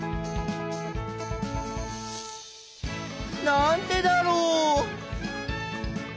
なんでだろう？